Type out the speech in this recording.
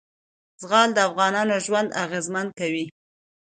زغال د افغانانو ژوند اغېزمن کوي.